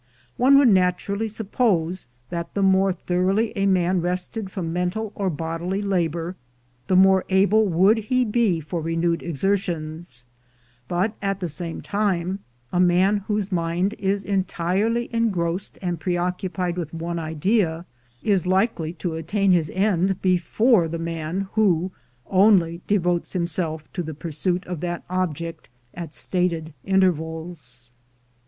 One would naturally suppose that the more thoroughly a man rested from mental or bodily labor, the more able would he be for renewed exertions; but at the same time, a man whose mind is entirely engrossed and preoccupied with one idea, is likely to attain his end before the man who only devotes himself to the pursuit of that object at stated intervals.